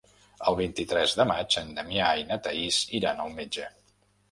El vint-i-tres de maig en Damià i na Thaís iran al metge.